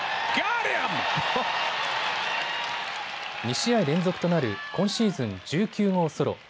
２試合連続となる今シーズン１９号ソロ。